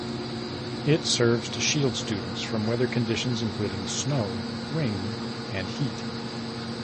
It serves to shield students from weather conditions including snow, rain, and heat.